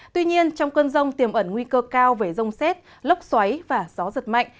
tuy nhiên trong cơn rông tiềm ẩn nguy cơ cao về rông xét lốc xoáy và gió giật mạnh